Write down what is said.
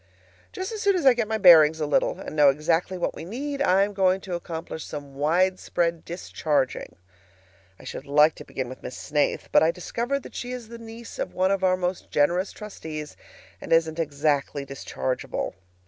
Just as soon as I get my bearings a little, and know exactly what we need, I am going to accomplish some widespread discharging. I should like to begin with Miss Snaith; but I discover that she is the niece of one of our most generous trustees, and isn't exactly dischargeable.